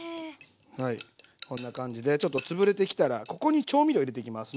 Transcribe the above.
はいこんな感じでちょっと潰れてきたらここに調味料を入れていきます。